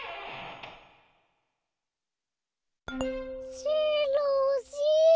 しろしろ。